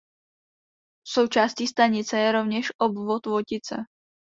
Součástí stanice je rovněž obvod Votice.